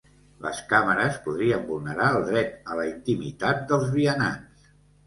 Les càmeres podrien vulnerar el dret a la intimitat dels vianants